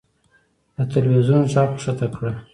د تلوېزون ږغ کښته کړه .